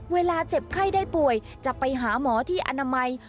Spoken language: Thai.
เจ็บไข้ได้ป่วยจะไปหาหมอที่อนามัย